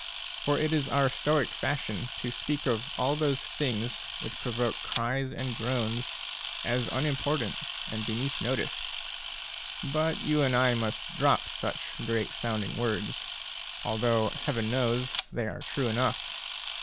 For it is our Stoic fashion to speak of all those things, which provoke cries and groans, as unimportant and beneath notice ; but you and I must drop such great sounding words, although, Heaven knows, they are true enough.